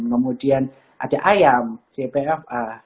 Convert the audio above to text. kemudian ada ayam jpfa